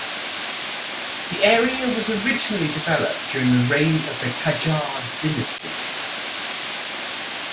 The area was originally developed during the reign of the Qajar Dynasty.